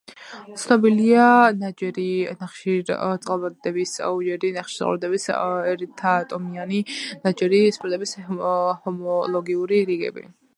ცნობილია ნაჯერი ნახშირწყალბადების, უჯერი ნახშირწყალბადების, ერთატომიანი ნაჯერი სპირტების ჰომოლოგიური რიგები.